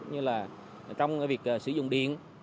như là trong việc sử dụng điện